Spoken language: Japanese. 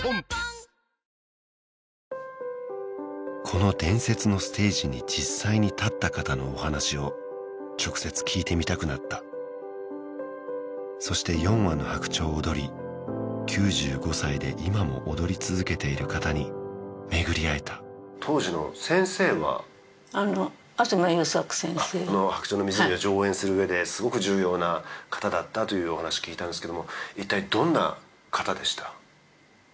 この伝説のステージに実際に立った方のお話を直接聞いてみたくなったそして四羽の白鳥を踊り９５歳で今も踊り続けている方に巡り会えた当時の先生は東勇作先生「白鳥の湖」を上演する上ですごく重要な方だったというお話聞いたんですけども一体どんな方でした？